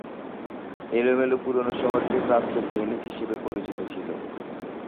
এলোমেলো পুরানো শহরটি "প্রাচ্যের ভেনিস" হিসাবে পরিচিত ছিল।